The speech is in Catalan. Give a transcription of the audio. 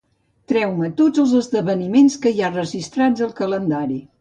Treu-me tots els esdeveniments que hi ha registrats al calendari.